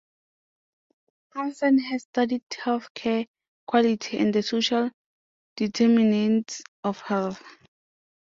Hansen has studied healthcare equality and the social determinants of health.